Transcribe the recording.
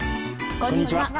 こんにちは。